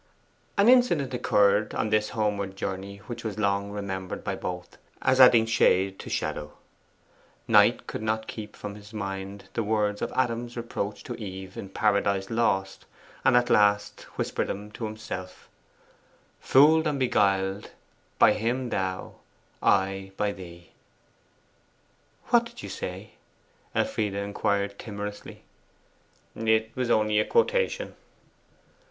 An incident occurred on this homeward journey which was long remembered by both, as adding shade to shadow. Knight could not keep from his mind the words of Adam's reproach to Eve in PARADISE LOST, and at last whispered them to himself 'Fool'd and beguiled: by him thou, I by thee!' 'What did you say?' Elfride inquired timorously. 'It was only a quotation.